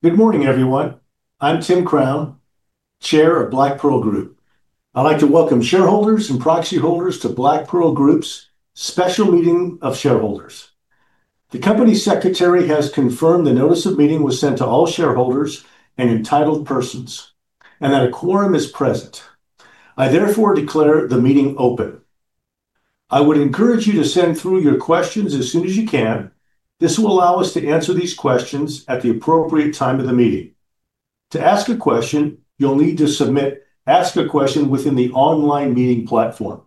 Good morning, everyone. I'm Tim Crown, Chair of Blackpearl Group. I'd like to welcome shareholders and proxy holders to Blackpearl Group's special meeting of shareholders. The company secretary has confirmed the notice of meeting was sent to all shareholders and entitled persons, and that a quorum is present. I therefore declare the meeting open. I would encourage you to send through your questions as soon as you can. This will allow us to answer these questions at the appropriate time of the meeting. To ask a question, you'll need to submit "Ask a Question" within the online meeting platform.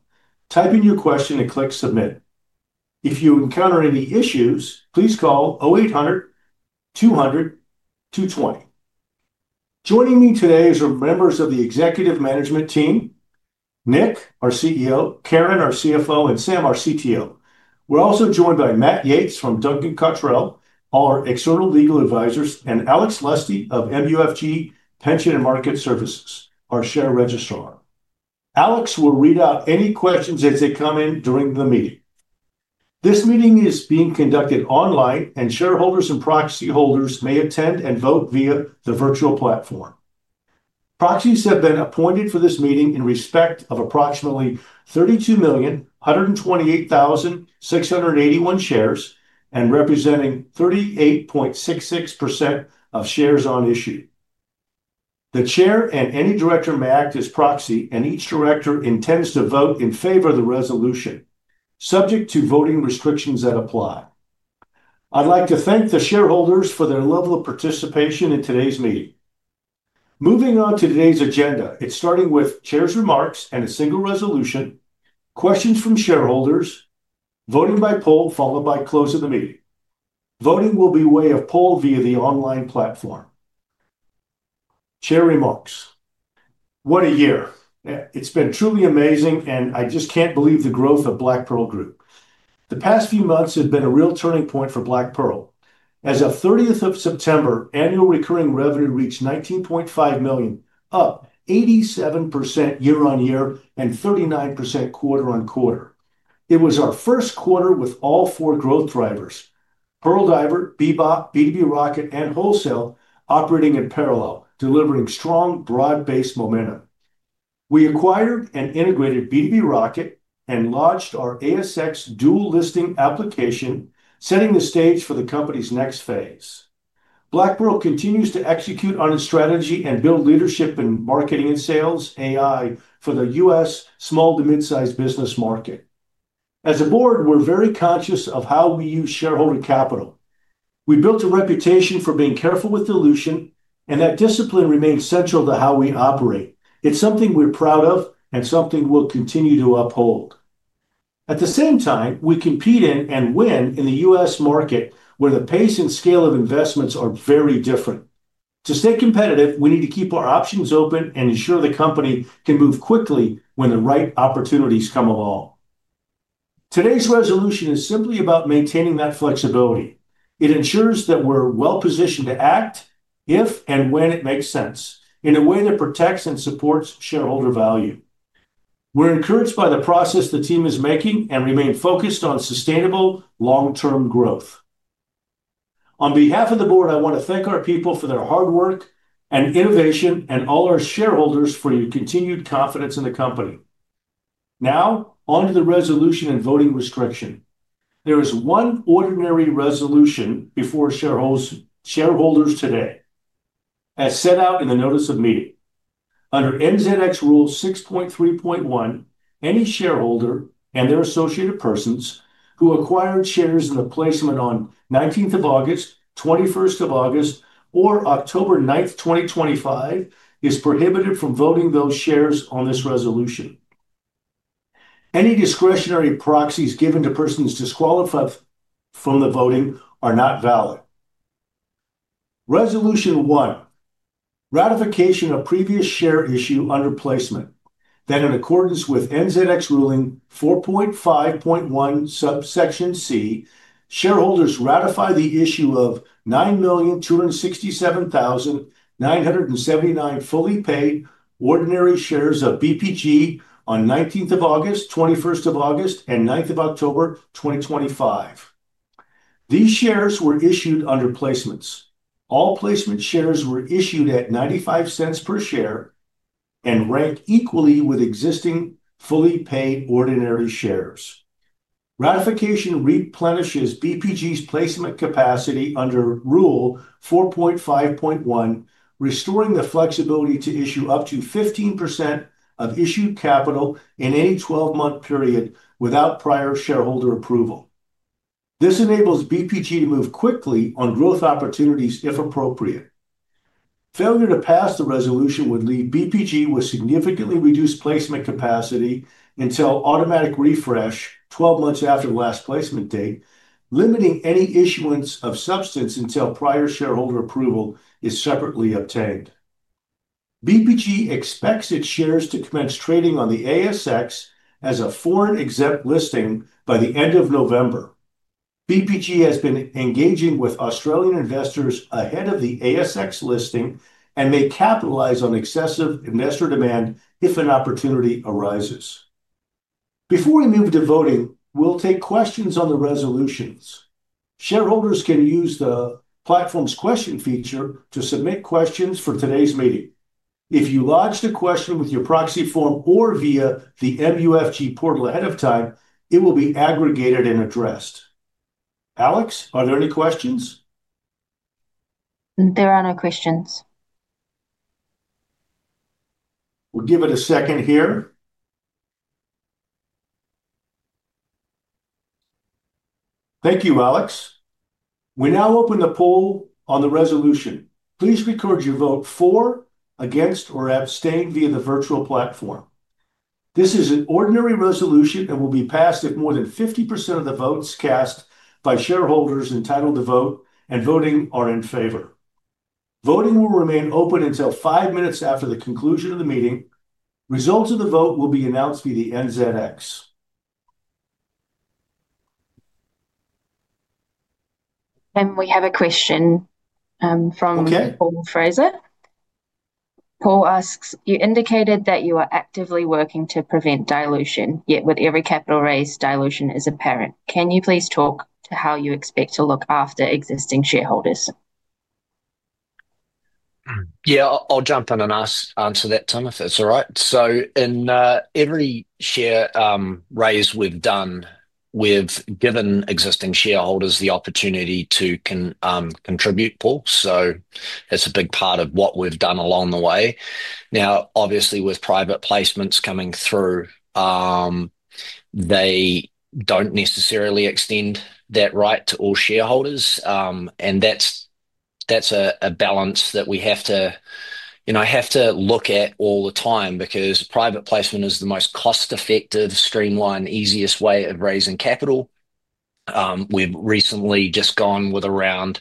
Type in your question and click "Submit." If you encounter any issues, please call 0800-200-220. Joining me today are members of the executive management team, Nick, our CEO, Karen, our CFO, and Sam, our CTO. We're also joined by Matt Yates from Duncan Cottrell, all our external legal advisors, and Alex Lestey of MUFG Pension and Market Services, our share registrar. Alex will read out any questions as they come in during the meeting. This meeting is being conducted online, and shareholders and proxy holders may attend and vote via the virtual platform. Proxies have been appointed for this meeting in respect of approximately 32,128,681 shares and representing 38.66% of shares on issue. The Chair and any director may act as proxy, and each director intends to vote in favor of the resolution, subject to voting restrictions that apply. I'd like to thank the shareholders for their level of participation in today's meeting. Moving on to today's agenda, it's starting with Chair's remarks and a single resolution, questions from shareholders, voting by poll, followed by close of the meeting. Voting will be by way of poll via the online platform. Chair remarks. What a year. It's been truly amazing, and I just can't believe the growth of Black Pearl Group. The past few months have been a real turning point for Black Pearl. As of 30th of September, annual recurring revenue reached 19.5 million, up 87% year-on-year and 39% quarter-on-quarter. It was our first quarter with all four growth drivers. Pearl Diver, BBOP, B2B Rocket, and Wholesale operating in parallel, delivering strong broad-based momentum. We acquired and integrated B2B Rocket and launched our ASX dual-listing application, setting the stage for the company's next phase. Blackpearl continues to execute on its strategy and build leadership in marketing and sales, AI for the U.S. small to mid-size business market. As a board, we're very conscious of how we use shareholder capital. We built a reputation for being careful with dilution, and that discipline remains central to how we operate. It's something we're proud of and something we'll continue to uphold. At the same time, we compete in and win in the U.S. market, where the pace and scale of investments are very different. To stay competitive, we need to keep our options open and ensure the company can move quickly when the right opportunities come along. Today's resolution is simply about maintaining that flexibility. It ensures that we're well-positioned to act if and when it makes sense in a way that protects and supports shareholder value. We're encouraged by the progress the team is making and remain focused on sustainable long-term growth. On behalf of the board, I want to thank our people for their hard work and innovation and all our shareholders for your continued confidence in the company. Now, on to the resolution and voting restriction. There is one ordinary resolution before shareholders today, as set out in the notice of meeting. Under NZX Rule 6.3.1, any shareholder and their associated persons who acquired shares in the placement on 19th of August, 21st of August, or October 9th, 2025, is prohibited from voting those shares on this resolution. Any discretionary proxies given to persons disqualified from the voting are not valid. Resolution One. Ratification of previous share issue under placement. In accordance with NZX Rule 4.5.1, Subsection C, shareholders ratify the issue of 9,267,979 fully paid ordinary shares of BPG on 19th of August, 21st of August, and 9th of October 2025. These shares were issued under placements. All placement shares were issued at 0.95 per share and ranked equally with existing fully paid ordinary shares. Ratification replenishes BPG's placement capacity under Rule 4.5.1, restoring the flexibility to issue up to 15% of issued capital in any 12-month period without prior shareholder approval. This enables BPG to move quickly on growth opportunities if appropriate. Failure to pass the resolution would leave BPG with significantly reduced placement capacity until automatic refresh 12 months after the last placement date, limiting any issuance of substance until prior shareholder approval is separately obtained. BPG expects its shares to commence trading on the ASX as a foreign-exempt listing by the end of November. BPG has been engaging with Australian investors ahead of the ASX listing and may capitalize on excessive investor demand if an opportunity arises. Before we move to voting, we'll take questions on the resolutions. Shareholders can use the platform's question feature to submit questions for today's meeting. If you lodged a question with your proxy form or via the MUFG portal ahead of time, it will be aggregated and addressed. Alex, are there any questions? There are no questions. We'll give it a second here. Thank you, Alex. We now open the poll on the resolution. Please record your vote for, against, or abstain via the virtual platform. This is an ordinary resolution and will be passed if more than 50% of the votes cast by shareholders entitled to vote and voting are in favor. Voting will remain open until five minutes after the conclusion of the meeting. Results of the vote will be announced via NZX. We have a question from Paul Fraser. Paul asks, you indicated that you are actively working to prevent dilution, yet with every capital raise, dilution is apparent. Can you please talk to how you expect to look after existing shareholders? Yeah, I'll jump in and answer that, Tim, if that's all right. In every share raise we've done, we've given existing shareholders the opportunity to contribute, Paul. That's a big part of what we've done along the way. Now, obviously, with private placements coming through, they don't necessarily extend that right to all shareholders. That's a balance that we have to look at all the time because private placement is the most cost-effective, streamlined, easiest way of raising capital. We've recently just gone with a round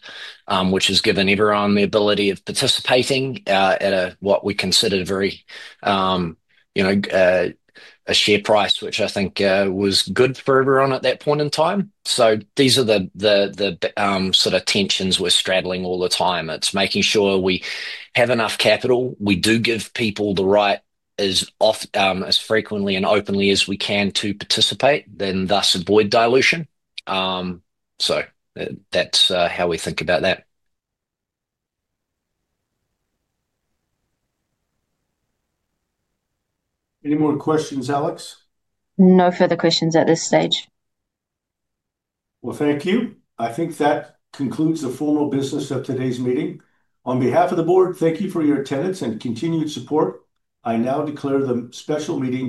which has given everyone the ability of participating at what we considered a very good share price, which I think was good for everyone at that point in time. These are the sort of tensions we're straddling all the time. It's making sure we have enough capital. We do give people the right. As frequently and openly as we can to participate, then thus avoid dilution. That is how we think about that. Any more questions, Alex? No further questions at this stage. Thank you. I think that concludes the formal business of today's meeting. On behalf of the board, thank you for your attendance and continued support. I now declare the special meeting.